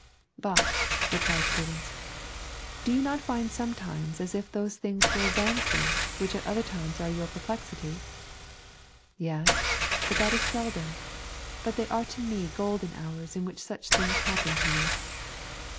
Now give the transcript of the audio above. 'But,' replied Prudence, 'do you not find sometimes as if those things were vanquished which at other times are your perplexity?' 'Yes, but that is but seldom; but they are to me golden hours in which such things happen to me.'